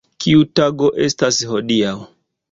Kiu tago estas hodiaŭ?